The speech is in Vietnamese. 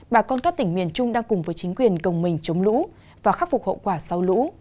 bà con các tỉnh miền trung đang cùng với chính quyền cộng mình chống lũ và khắc phục hậu quả